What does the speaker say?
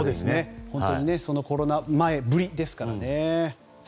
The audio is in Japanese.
本当にコロナ前ぶりですからね。